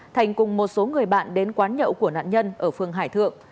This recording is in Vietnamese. thành cùng một số người bạn đến quán nhậu của nạn nhân ở phường hải thượng